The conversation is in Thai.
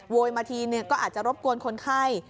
โวยมาทีเนี่ยก็อาจจะรบกวนคนไข้